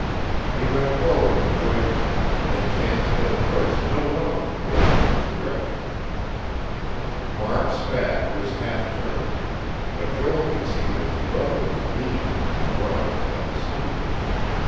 He went forward to join them; and it chanced that at first no one of them looked in his direction. Mark's back was half turned; but Joel could see that his brother was lean, and bronzed by the sun.